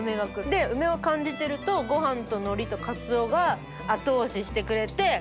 で梅を感じてるとご飯と海苔とかつおが後押ししてくれて。